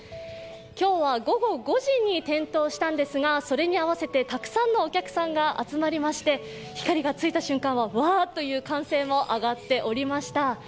今日は午後５時に点灯したんですがそれに合わせてたくさんのお客さんが集まりまして光がついた瞬間は、わーっという歓声も上がっておりました。